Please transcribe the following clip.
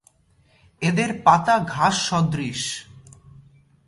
এদের পাতা ঘাস-সদৃশ।